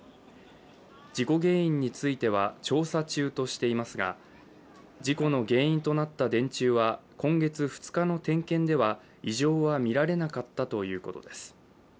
事故原因については調査中としていますが、事故の原因となった電柱は今月２日の点検では異常は見られなかったということです。